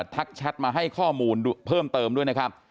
แชทมาให้ข้อมูลเพิ่มเติมด้วยนะครับ